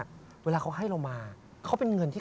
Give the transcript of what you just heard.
แต่เขาตัดได้มั้ยอันนี้อย่างนี้